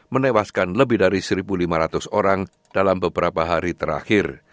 menewaskan lebih dari satu lima ratus orang dalam beberapa hari terakhir